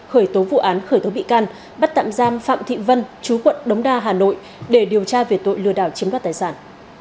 khởi tố vụ án khởi tố bị can bắt tạm giam phạm thị vân chú quận đống đa hà nội để điều tra về tội lừa đảo chiếm đoạt tài sản